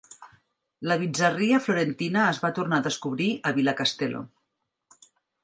La Bizzaria florentina es va tornar a descobrir a Villa Castello.